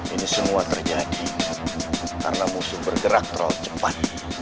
ini semua terjadi karena musuh bergerak terlalu cepat